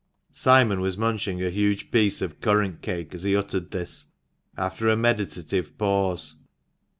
Simon was munching a huge piece of currant cake as he uttered this, after a meditative pause.